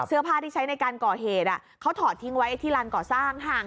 เสื้อผ้าที่ใช้ในการก่อเหตุเขาถอดทิ้งไว้ที่ลานก่อสร้างห่าง